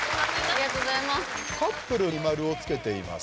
カップルに丸をつけています。